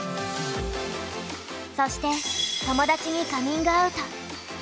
そして友達にカミングアウト。